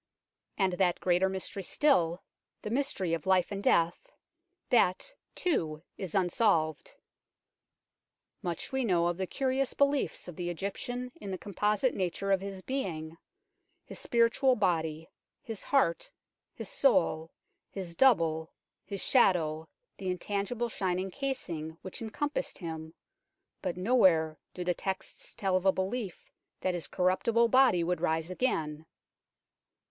And that greater mystery still, the mystery of life and death, that, too, is unsolved. Much we know of the curious beliefs of the Egyptian in the composite nature of his being, his spiritual body, his heart, his soul, his double, his shadow, the intangible shining casing which encompassed him, but nowhere do the texts tell of a belief that his corruptible body would rise again.